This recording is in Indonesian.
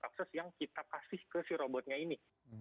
akses yang kita kasih ke si robotnya ini